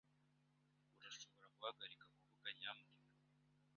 Urashobora guhagarika kuvuga nyamuneka?